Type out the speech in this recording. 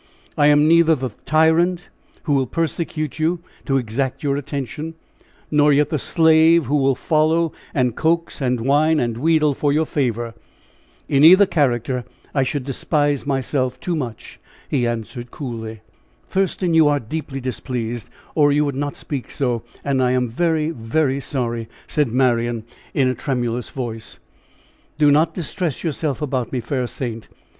I am neither the tyrant who will persecute you to exact your attention, nor yet the slave who will follow and coax and whine and wheedle for your favor. In either character I should despise myself too much," he answered, coolly. "Thurston, you are deeply displeased, or you would not speak so, and I am very, very sorry," said Marian in a tremulous voice. "Do not distress yourself about me, fair saint!